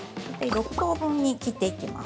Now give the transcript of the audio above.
６等分に切っていきます。